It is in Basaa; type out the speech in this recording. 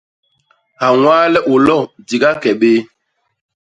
Hañwaale u lo, ki di gake bé.